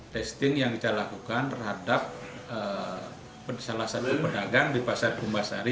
testing yang kita lakukan terhadap salah satu pedagang di pasar perumbasari